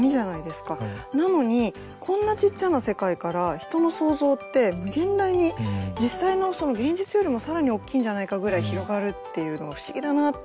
なのにこんなちっちゃな世界から人の想像って無限大に実際の現実よりも更に大きいんじゃないかぐらい広がるっていうのが不思議だなっていつも思うんです。